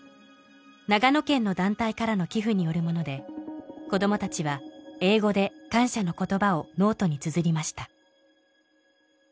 長野県の団体からの寄付によるもので子供たちは英語で感謝の言葉をノートにつづりました